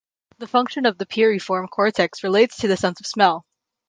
The function of the piriform cortex relates to the sense of smell.